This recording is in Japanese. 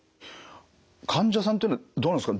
患者さんというのはどうなんですか